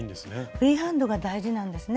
フリーハンドが大事なんですね。